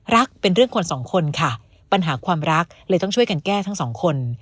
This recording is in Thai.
รักเป็นเรื่องคนสองคนค่ะปัญหาความรักเลยต้องช่วยกันแก้ทั้งสองคน